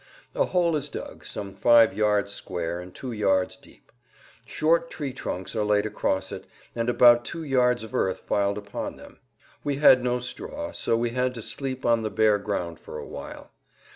A hole is dug, some five yards square and two yards deep. Short tree trunks are laid across it, and about two yards of earth piled upon them. We had no straw, so we had to sleep on the bare ground for a while.